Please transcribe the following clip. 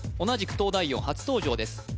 同じく東大王初登場です